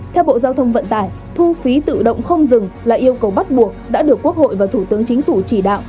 theo bộ giao thông vận tải thu phí tự động không dừng là yêu cầu bắt buộc đã được quốc hội và thủ tướng chính phủ chỉ đạo